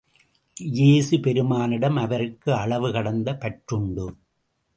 இயேசு பெருமானிடம் அவருக்கு அளவு கடந்த பற்றுண்டு.